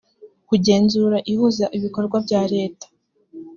kugenzura ihuza ibikorwa bya leta